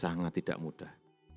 sangat tidak mudah